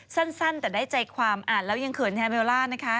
สั้นแต่ได้ใจความอ่านแล้วยังเขินแทนเบลล่านะคะ